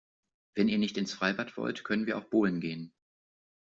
Wenn ihr nicht ins Freibad wollt, können wir auch bowlen gehen.